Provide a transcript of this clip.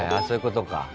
そういうことか。